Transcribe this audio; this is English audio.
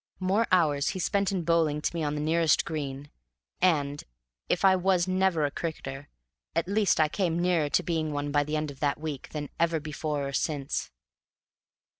More hours he spent in bowling to me on the nearest green; and, if I was never a cricketer, at least I came nearer to being one, by the end of that week, than ever before or since.